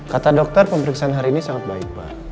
kata dokter pemeriksaan hari ini sangat baik pak